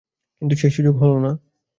কিন্তু সেই সুযোগ হল না।